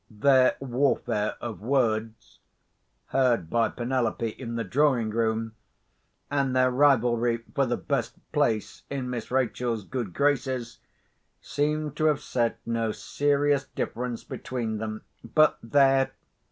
Their warfare of words (heard by Penelope in the drawing room), and their rivalry for the best place in Miss Rachel's good graces, seemed to have set no serious difference between them. But there!